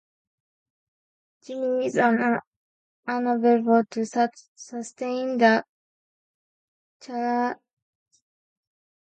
Jimmy is unable to sustain the charade with Rosie.